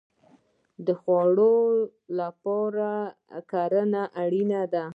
د خوړو لپاره کرنه اړین ده